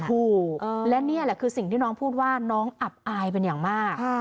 ถูกและนี่แหละคือสิ่งที่น้องพูดว่าน้องอับอายเป็นอย่างมาก